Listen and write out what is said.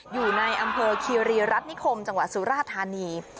อยู่ในอำเภอคีรีรัฐนิคมจังหวัดสุราธานี